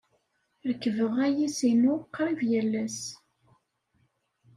Rekkbeɣ ayis-inu qrib yal ass.